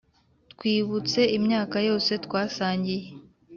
twibutse imyaka yose twasangiye